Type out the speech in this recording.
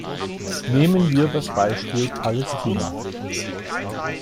Nehmen wir das Beispiel Palästina.